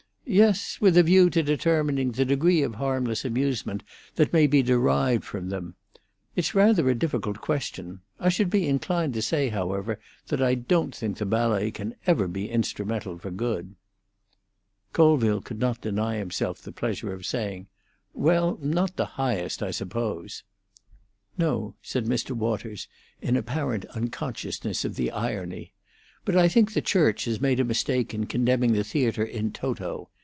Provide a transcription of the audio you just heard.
"Yes; with a view to determining the degree of harmless amusement that may be derived from them. It's rather a difficult question. I should be inclined to say, however, that I don't think the ballet can ever be instrumental for good." Colville could not deny himself the pleasure of saying, "Well, not the highest, I suppose." "No," said Mr. Waters, in apparent unconsciousness of the irony. "But I think the Church has made a mistake in condemning the theatre in toto.